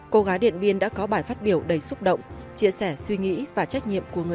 cô gái điện biên đã có bài phát biểu đầy xúc động